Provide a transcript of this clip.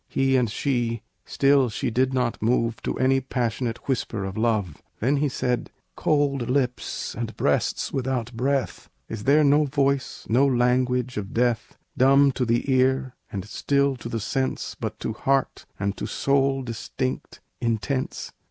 He and she; still she did not move To any passionate whisper of love. Then he said, "Cold lips and breasts without breath, Is there no voice, no language of death, "Dumb to the ear and still to the sense, But to heart and to soul distinct, intense?